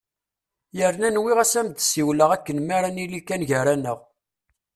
Yerna nwiɣ-as ad am-d-siwileɣ akken mi ara nili kan gar-aneɣ!